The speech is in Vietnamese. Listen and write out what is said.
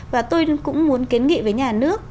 và tôi cũng muốn kiến nghị với nhà nước